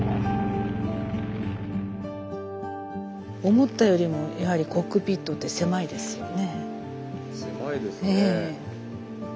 思ったよりもやはりコックピットって狭いですよね。